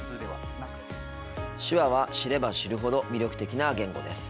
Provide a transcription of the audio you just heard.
手話は知れば知るほど魅力的な言語です。